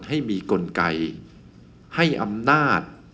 ให้มีกลไกให้อำนาจ